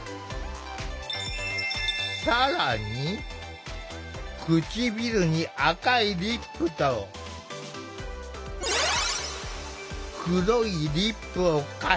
更に唇に赤いリップと黒いリップを重ねる。